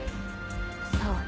そう。